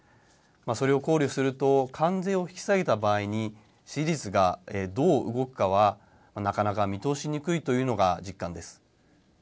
それを考慮すると関税を引き下げた場合に支持率がどう動くかはなかなか見通しにくいというのが実感です。